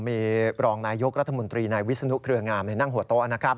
มีรองนายยกรัฐมนตรีนายวิศนุเครืองามนั่งหัวโต๊ะนะครับ